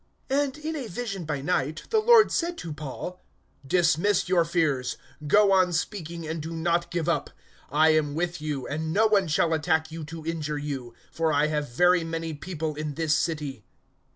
018:009 And, in a vision by night, the Lord said to Paul, "Dismiss your fears: go on speaking, and do not give up. 018:010 I am with you, and no one shall attack you to injure you; for I have very many people in this city."